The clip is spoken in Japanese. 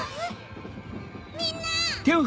・みんな！